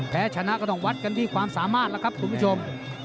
แพ้ชนะก็ต้องวัดกันที่ความสามารถแล้วครับคุณผู้ชม